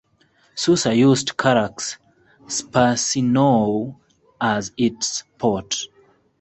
Susa used Charax Spasinou as its port.